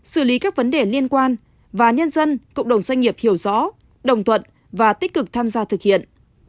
xử lý các vấn đề liên quan và nhân dân cộng đồng doanh nghiệp hiểu rõ đồng thuận và tích cực tham gia thực hiện